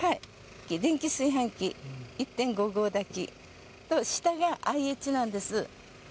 電気炊飯器１．５合炊きと、下がＩＨなんです。